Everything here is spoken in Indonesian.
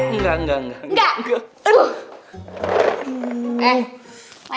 enggak enggak enggak